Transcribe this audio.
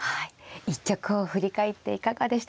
一局を振り返っていかがでしたでしょうか。